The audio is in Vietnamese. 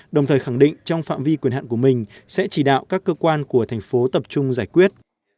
đồng thời khẳng định trong phạm vi quyền hạn của mình sẽ chỉ đạo các cơ quan của thành phố tập trung giải quyết